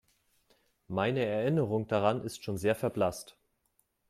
Meine Erinnerung daran ist schon sehr verblasst.